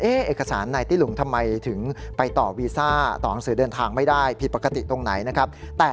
เอกสารนายตี้หลุงทำไมถึงไปต่อวีซ่า